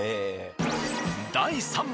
第３問。